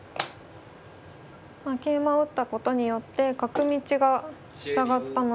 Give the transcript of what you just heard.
桂馬を打ったことによって角道が塞がったので。